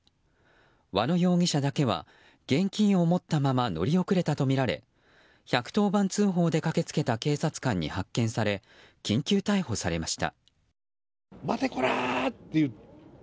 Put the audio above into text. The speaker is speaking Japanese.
和野容疑者だけは現金を持ったまま乗り遅れたとみられ１１０番通報で駆けつけた警察官に発見され緊急逮捕されました。